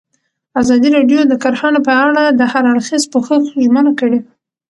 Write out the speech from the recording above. ازادي راډیو د کرهنه په اړه د هر اړخیز پوښښ ژمنه کړې.